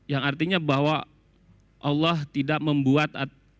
yang artinya bahwa allah tidak membuat